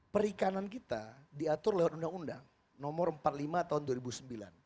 perikanan kita diatur lewat undang undang nomor empat puluh lima tahun dua ribu sembilan